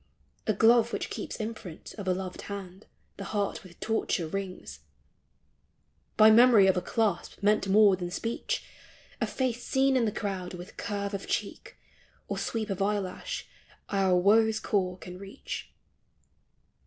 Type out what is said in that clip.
A glove which keeps imprint Of a loved hand the heart with torture wrings By memory of a clasp meant more than speech ; A face seen in the crowd with curve of cheek Or sweep of eyelash our woe's core can reach.